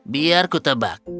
biar ku tebak